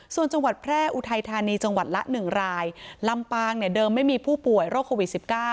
ส่วนจังหวัดแพร่อุทัยธานีจังหวัดละ๑รายลำปางเนี่ยเดิมไม่มีผู้ป่วยโรคโควิด๑๙